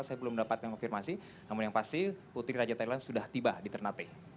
saya belum mendapatkan konfirmasi namun yang pasti putri raja thailand sudah tiba di ternate